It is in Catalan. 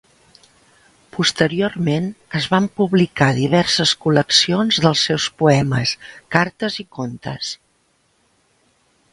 Posteriorment es van publicar diverses col·leccions dels seus poemes, cartes i contes.